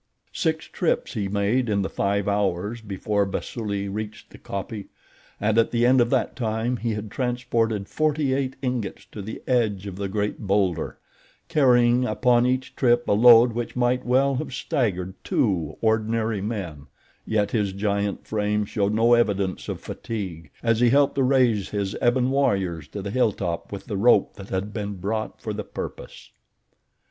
Six trips he made in the five hours before Basuli reached the kopje, and at the end of that time he had transported forty eight ingots to the edge of the great boulder, carrying upon each trip a load which might well have staggered two ordinary men, yet his giant frame showed no evidence of fatigue, as he helped to raise his ebon warriors to the hill top with the rope that had been brought for the purpose.